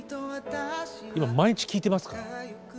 今毎日聴いてますから。